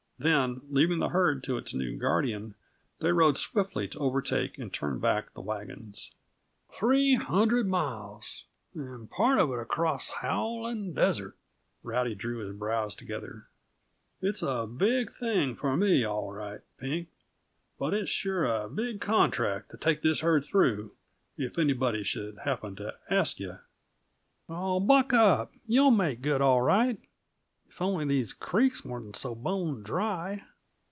Then, leaving the herd to its new guardian they rode swiftly to overtake and turn back the wagons. "Three hundred miles! And part of it across howling desert!" Rowdy drew his brows together. "It's a big thing for me, all right, Pink; but it's sure a big contract to take this herd through, if anybody should happen to ask yuh." "Oh, buck up! You'll make good, all right if only these creeks wasn't so bone dry!"